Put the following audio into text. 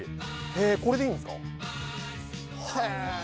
これでいいんですか、へえ。